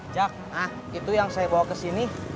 jak nah itu yang saya bawa ke sini